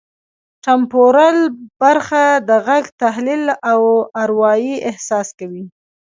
ټمپورل برخه د غږ تحلیل او اروايي احساس کوي